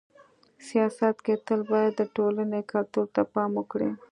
سیاست کي تل باید د ټولني کلتور ته پام وکړي.